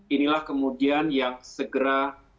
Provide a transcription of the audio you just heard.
inilah kemudian yang segera